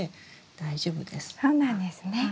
そうなんですね。